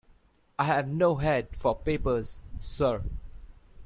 I have no head for papers, sir.